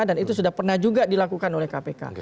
dan itu sudah pernah juga dilakukan oleh kpk